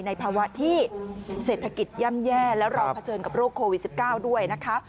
ในภาวะที่เศรษฐกิจย่ำแย่แล้วเราเผชิญกับโรคโควิด๑๙ด้วยนะคะ